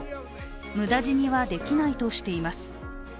無駄死にはできないとしています。